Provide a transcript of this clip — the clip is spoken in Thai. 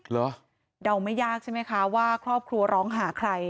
เหรอเดาไม่ยากใช่ไหมคะว่าครอบครัวร้องหาใคร